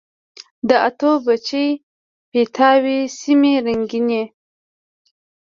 د اتو، بچي، پیتاو سیمي رنګیني